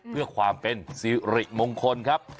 มีความเป็นศิริมงคลครับ